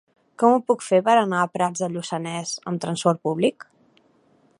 Com ho puc fer per anar a Prats de Lluçanès amb trasport públic?